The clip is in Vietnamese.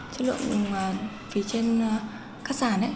chất lượng phía trên các sản á